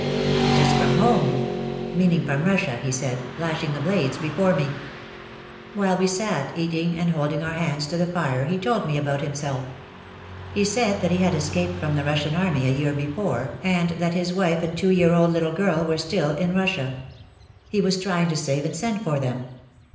"It is from home," meaning from Russia, he said, flashing the blades before me. While we sat eating and holding our hands to the fire he told me about himself. He said that he had escaped from the Russian army a year before and that his wife and two year old little girl were still in Russia. He was trying to save and send for them.